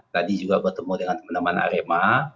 tadi juga bertemu dengan teman teman arema